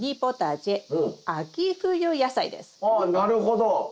ああなるほど。